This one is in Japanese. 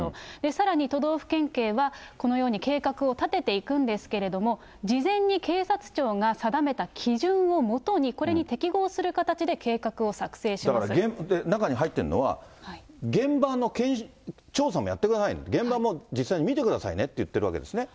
さらに都道府県警は、このように計画を立てていくんですけれども、事前に警察庁が定めた基準を基にこれに適合する形で計画を作成しだから中に入ってるのは、現場の調査もやってくださいね、現場も実際に見てくださいねって言ってるわけですね。